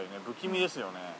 不気味ですよね。